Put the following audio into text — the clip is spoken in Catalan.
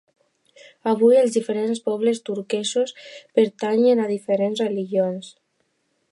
Avui, els diferents pobles turquesos pertanyen a diferents religions.